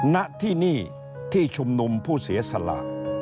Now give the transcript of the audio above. ณที่นี่ที่ชุมนุมผู้เสียสละ